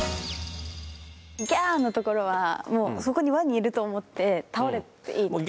「ギャー」のところはもうそこにワニいると思って倒れていいって事ですか？